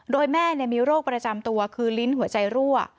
โดยแม่มีโรคประจำตัวคือลิ้นหัวใจรั่ว